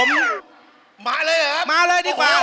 มาเลยดีกว่า